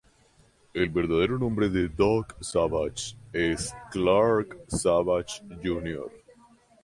El verdadero nombre de Doc Savage, es Clark Savage Jr.